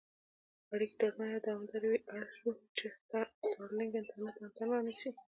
اړیکې ډاډمنې او دوامدارې وي اړ شو، چې سټارلېنک انټرنېټ انتن رانیسي.